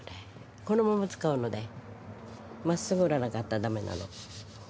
このまま使うのでまっすぐ織らなかったらダメなの。